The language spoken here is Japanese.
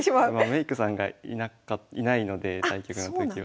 メイクさんがいないので対局の時は。